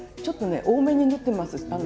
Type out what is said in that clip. ちょっと多めに塗ってます。